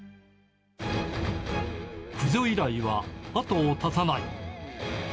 駆除依頼は後を絶たない。